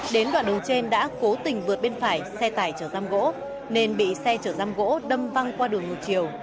đến đoạn đường trên đã cố tình vượt bên phải xe tải chở giam gỗ nên bị xe chở giam gỗ đâm văng qua đường ngược chiều